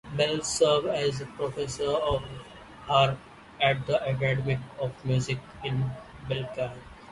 Bell served as a professor of harp at the Academy of Music in Belfast.